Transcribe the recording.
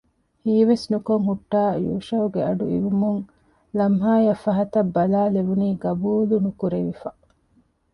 ހީވެސް ނުކޮށް ހުއްޓާ ޔޫޝައުގެ އަޑު އިވުމުން ލަމްހާއަށް ފަހަތަށް ބަލާލެވުނީ ޤަބޫލުނުކުރެވިފަ